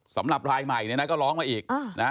สำหรับร้ายใหม่ก็ร้องมาอีกนะ